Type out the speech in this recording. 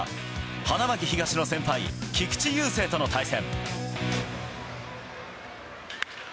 花巻東の先輩、菊池雄星との対戦。